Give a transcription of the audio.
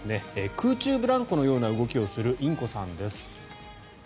空中ブランコのような動きをするインコさんです。